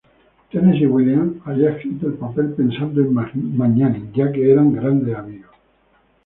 Tennessee Williams había escrito el papel pensando en Magnani, ya que eran grandes amigos.